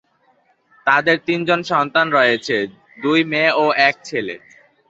তাদের তিনজন সন্তান রয়েছে, দুই মেয়ে ও এক ছেলে।